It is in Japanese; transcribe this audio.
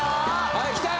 はい来たよ